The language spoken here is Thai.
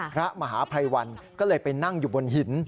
พระมหาภัยวันก็เลยไปนั่งอยู่บนหิน